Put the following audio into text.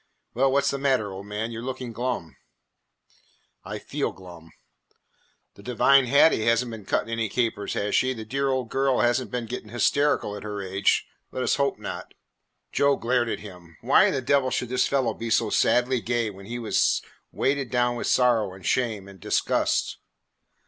"Well, what 's the matter, old man? You 're looking glum." "I feel glum." "The divine Hattie has n't been cutting any capers, has she? The dear old girl has n't been getting hysterical at her age? Let us hope not." Joe glared at him. Why in the devil should this fellow be so sadly gay when he was weighted down with sorrow and shame and disgust?